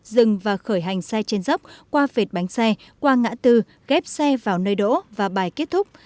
dừng và khởi hành xe trên dốc qua vệt bánh xe qua ngã tư ghép xe vào nơi đỗ và bài kết thúc